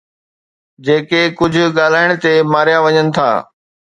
جيڪي ڪجهه ڳالهائڻ تي ماريا وڃن ٿا